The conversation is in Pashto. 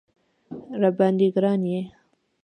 راباندې ګران یې